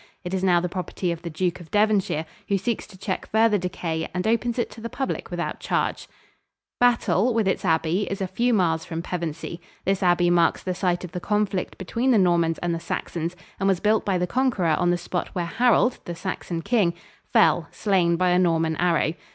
It is now the property of the Duke of Devonshire, who seeks to check further decay and opens it to the public without charge. [Illustration: PEVENSEY CASTLE, WHERE THE NORMANS LANDED.] Battle, with its abbey, is a few miles from Pevensey. This abbey marks the site of the conflict between the Normans and the Saxons and was built by the Conqueror on the spot where Harold, the Saxon king, fell, slain by a Norman arrow.